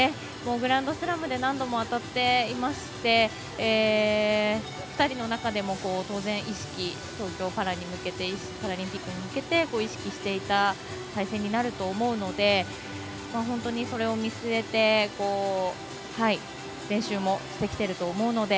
グランドスラムで何度も当たっていまして２人の中でも当然東京パラリンピックに向けて意識していた対戦になると思うので本当に、それを見据えて練習もしてきてると思うので。